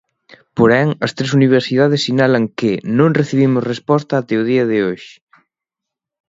Porén, as tres universidades sinalan que "non recibimos resposta até o día de hoxe".